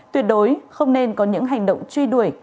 tuyệt đối không nên có những hành động truy đuổi